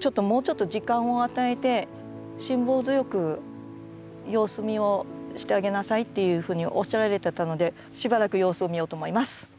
ちょっともうちょっと時間を与えて辛抱強く様子見をしてあげなさいっていうふうにおっしゃられてたのでしばらく様子を見ようと思います。